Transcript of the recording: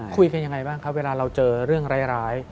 คุยกันยังไงบ้างครับเวลาเราเจอเรื่องร้าย